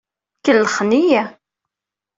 Kellxen-iyi.